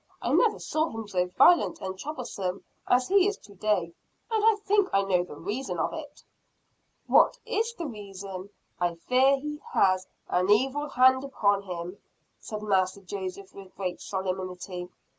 I never saw him so violent and troublesome as he is to day. And I think I know the reason of it." "What is the reason?" "I fear he has an 'evil hand' upon him," said Master Joseph with great solemnity.